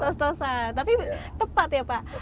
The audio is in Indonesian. tos tosa tapi tepat ya pak